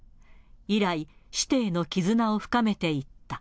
以来、師弟の絆を深めていった。